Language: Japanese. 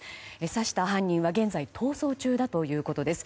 刺した犯人は現在、逃走中だということです。